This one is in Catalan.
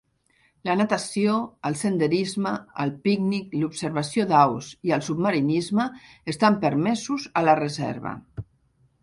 La natació, el senderisme, el pícnic, l'observació d'aus i el submarinisme estan permesos a la reserva.